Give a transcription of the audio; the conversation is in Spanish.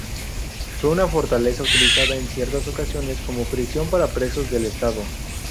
Fue una fortaleza utilizada en ciertas ocasiones como prisión para presos del estado.